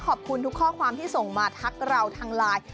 ขอบคุณทุกข้อความที่ส่งมาทักเราทางไลน์